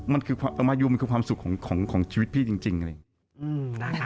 มายูมันคือความสุขของชีวิตพี่จริงเลย